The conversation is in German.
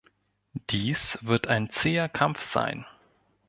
Dies wird ein zäher Kampf sein.